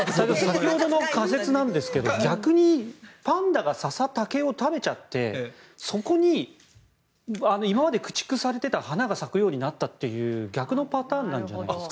先ほどの仮説なんですが逆にパンダが笹竹を食べちゃってそこに今まで駆逐された花が咲くようになったという逆のパターンなんじゃないですか。